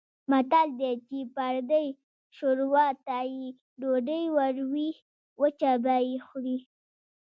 متل دی: چې پردۍ شوروا ته یې ډوډۍ وړوې وچه به یې خورې.